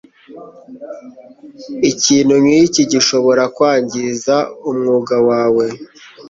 Ikintu nkiki gishobora kwangiza umwuga wawe.